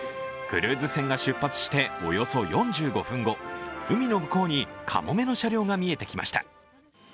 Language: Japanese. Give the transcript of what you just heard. クルーズ船が出発しておよそ４５分後、海の向こうにかもめの車両が見えてきました。